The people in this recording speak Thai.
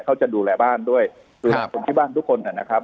เขาจะดูแลบ้านด้วยดูแลคนที่บ้านทุกคนนะครับ